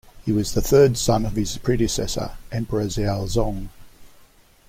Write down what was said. He was the third son of his predecessor, Emperor Xiaozong.